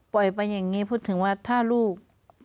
ไปอย่างนี้พูดถึงว่าถ้าลูก